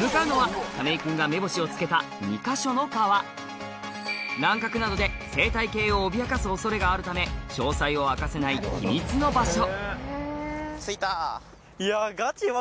向かうのは亀井くんが目星を付けた乱獲などで生態系を脅かす恐れがあるため詳細を明かせない秘密の場所